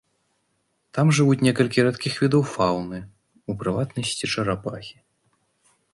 Там жывуць некалькі рэдкіх відаў фаўны, у прыватнасці чарапахі.